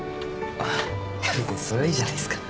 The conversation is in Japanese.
あっいや別にそれはいいじゃないすか。